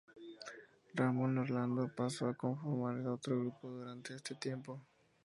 Ramón Orlando pasó a conformar otro grupo durante ese tiempo.